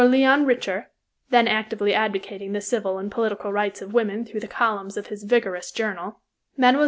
Léon Richer, then actively advocating the civil and political rights of women through the columns of his vigorous journal; Mme.